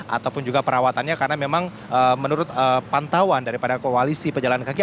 ataupun juga perawatannya karena memang menurut pantauan daripada koalisi pejalan kaki